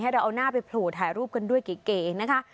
เราเอาหน้าไปโผล่ถ่ายรูปกันด้วยเก๋นะคะ